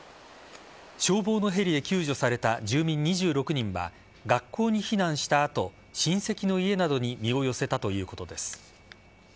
消防のヘリで救助された住民２６人は学校に避難した後親戚の家などに身を寄せたということです。